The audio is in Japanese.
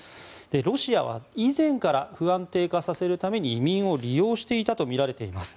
ロシアは以前から不安定化させるために移民を利用していたとみられています。